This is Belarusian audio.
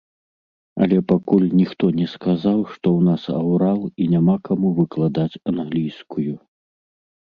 Але пакуль ніхто не сказаў, што ў нас аўрал і няма каму выкладаць англійскую.